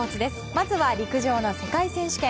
まずは陸上の世界選手権。